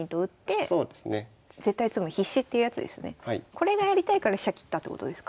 これがやりたいから飛車切ったってことですか？